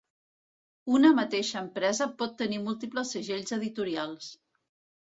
Una mateixa empresa pot tenir múltiples segells editorials.